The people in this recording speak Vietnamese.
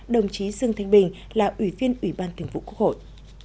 đồng chí dương thanh bình là ủy viên ủy ban thường vụ quốc hội